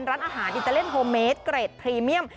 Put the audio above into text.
ร้านอาหารอิตาเลียโฮเมสเกรดพรีเมียม